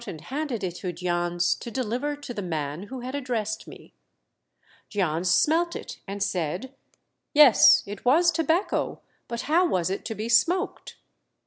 219 and handed it to Jans to deliver to the man who had addressed me. Jans smelt it and said "Yes, it was tobacco, but how was it to be smoked